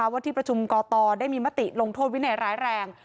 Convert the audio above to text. ว่าที่ประชุมกตได้มีมติลงโทษวินัยร้ายแรง